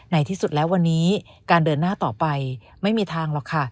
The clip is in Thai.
ในที่สุดแล้ววันนี้การเดินหน้าต่อไปไม่มีทางหรอกค่ะ